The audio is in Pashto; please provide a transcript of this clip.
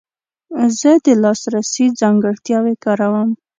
زه د لاسرسي ځانګړتیاوې کاروم.